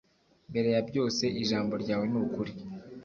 mbere ya byose ijambo ryawe ni ukuri